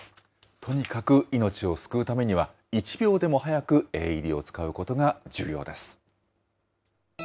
とにかく命を救うためには、１秒でも早くＡＥＤを使うことが重要です。